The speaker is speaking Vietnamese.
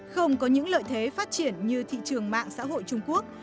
không có những lợi thế phát triển như thị trường mạng xã hội trung quốc